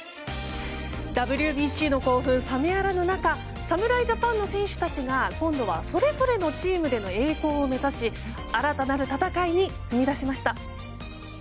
ＷＢＣの興奮が冷めやらぬ中侍ジャパンの選手たちが今度はそれぞれのチームでの栄光を目指し新たなる戦いに踏み出しました。